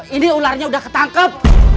ini ularnya udah ketangkep